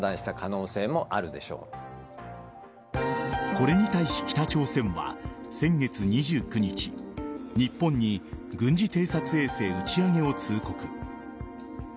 これに対し、北朝鮮は先月２９日日本に軍事偵察衛星打ち上げを通告。